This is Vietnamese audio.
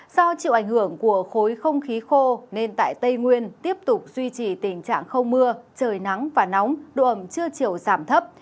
do chịu ảnh hưởng của khối không khí khô nên tại tây nguyên tiếp tục duy trì tình trạng không mưa trời nắng và nóng độ ẩm trưa chiều giảm thấp